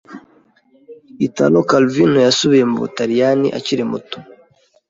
Italo Calvino yasubiye mu Butaliyani akiri muto.